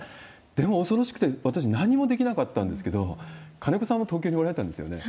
でも恐ろしくて、私、何もできなかったんですけど、金子さんは東京におられたんですよね。